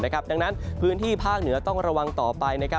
ดังนั้นพื้นที่ภาคเหนือต้องระวังต่อไป